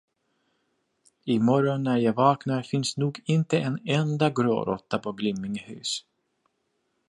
I morgon, när jag vaknar, finns nog inte en enda gråråtta på Glimmingehus.